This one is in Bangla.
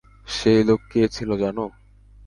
সেই লোক কে ছিল জানো?